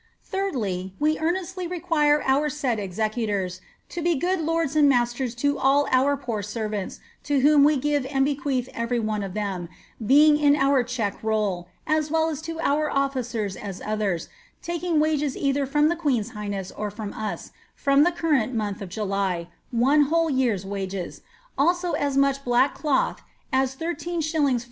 3dly, We earnmiljr require oar and executors to be good lords and masters to all our poor servants, to whom we gin and bequeath every one of thenif being in our check roll, as well to our officen at others, taking wages either from the queen's highness or from us, from the cnrrent month of July, one whole year's wages, also as much black cloth, at 13«. Ad.